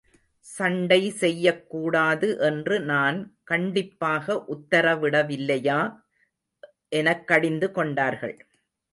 சண்டை செய்யக் கூடாது என்று நான் கண்டிப்பாக உத்தரவிடவில்லையா? எனக் கடிந்து கொண்டார்கள்.